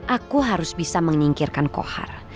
aku harus bisa menyingkirkan kohar